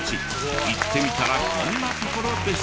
行ってみたらこんな所でした。